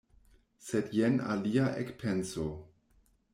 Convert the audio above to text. Sed jen alia ekpenso: